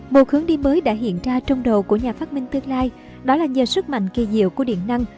một hướng đi mới đã hiện ra trong đầu của nhà phát minh tương lai đó là nhờ sức mạnh kỳ diệu của điện năng